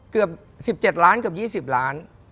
เกือบ๑๗ล้านเกือบ๒๐ล้าน